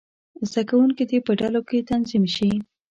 زده کوونکي دې په ډلو کې تنظیم شي.